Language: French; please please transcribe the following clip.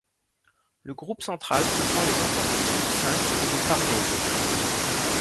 Le groupe central comprend les enfants de Philippe V et de Farnese.